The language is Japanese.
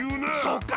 そうか。